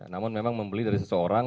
namun memang membeli dari seseorang